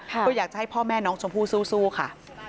ก็อยากจะให้พ่อแม่น้องชมพู่สู้ค่ะ